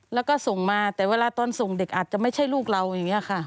แล้วก็ส่งมาแต่เวลาตอนส่งเด็กอาจจะไม่ใช่ลูกเราอย่างนี้ค่ะ